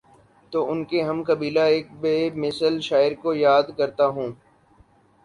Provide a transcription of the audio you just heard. تو ان کے ہم قبیلہ ایک بے مثل شاعرکو یا دکرتا ہوں۔